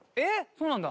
そうなんだ。